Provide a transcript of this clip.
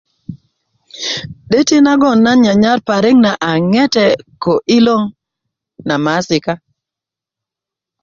'döti naŋ na nyanyar parik na a ŋete ko 'diloŋ na maaisika